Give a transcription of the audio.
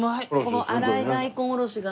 この粗い大根おろしが。